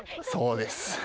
そうです。